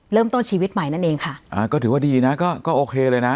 เริ่มต้นชีวิตใหม่นั่นเองค่ะอ่าก็ถือว่าดีนะก็ก็โอเคเลยนะ